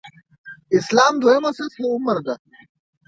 اسلام دویمه سطح عمره ده.